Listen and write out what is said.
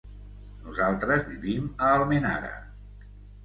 Nosaltres vivim a Almenara.